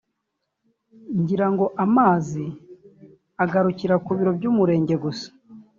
ngira ngo amazi agarukira ku biro by’umurenge gusa